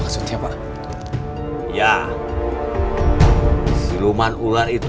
ya masih hidup siapa ya panagraji